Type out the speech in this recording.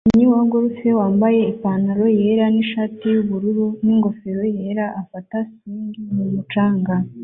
Umukinnyi wa golf wambaye ipantaro yera nishati yubururu n'ingofero yera afata swing mu mucanga